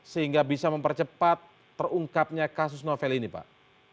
sehingga bisa mempercepat terungkapnya kasus novel ini pak